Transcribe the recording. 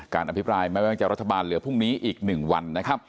อภิปรายไม่ว่าจะรัฐบาลเหลือพรุ่งนี้อีก๑วันนะครับ